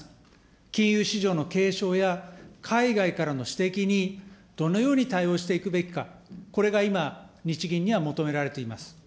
金融市場の警鐘や海外からの指摘にどのように対応していくべきか、これが今、日銀には求められています。